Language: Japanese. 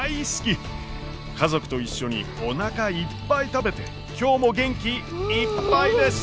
家族と一緒におなかいっぱい食べて今日も元気いっぱいです！